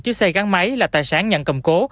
chiếc xe gắn máy là tài sản nhận cầm cố